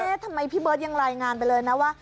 ทำไมพี่เบิร์ตยังรายงานไปเลยนะว่า